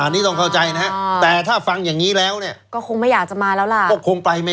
นี่ต้องเข้าใจนะแต่ถ้าฟังอย่างนี้แล้วเนี่ย